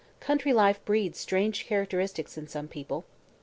Country life breeds strange characteristics in some people.